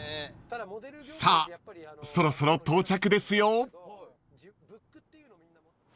［さあそろそろ到着ですよ］